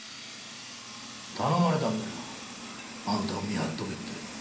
頼まれたんだよ。あんたを見張っとけって。